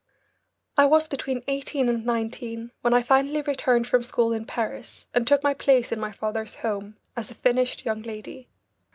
I was between eighteen and nineteen when I finally returned from school in Paris and took my place in my father's home as a finished young lady.